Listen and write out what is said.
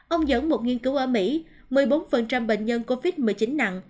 ông dẫn một nghiên cứu ở mỹ một mươi bốn bệnh nhân covid một mươi chín nặng